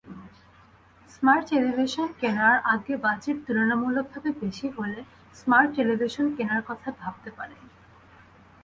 Smart television কেনার আগেবাজেট তুলনামূলকভাবে বেশি হলে স্মার্ট টেলিভিশন কেনার কথা ভাবতে পারেন।